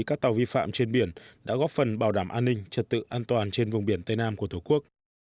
các tàu vi phạm trên biển đã góp phần bảo đảm an ninh trật tự an toàn trên vùng biển tây nam của tổ quốc